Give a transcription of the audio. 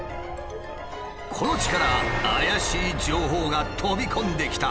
この地から怪しい情報が飛び込んできた。